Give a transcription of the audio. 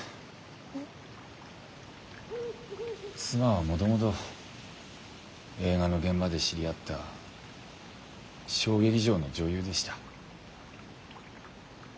妻はもともと映画の現場で知り合った小劇場の女優でした。